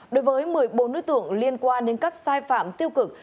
đối với một mươi bốn đối tượng liên quan đến các sai phạm tiêu cực